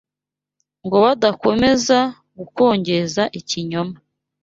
ngo badakomeza gukongeza ikinyoma